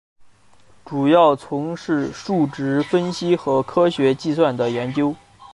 主要从事数值分析和科学计算的研究。